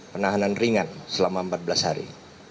penahanan ringan selama empat belas hari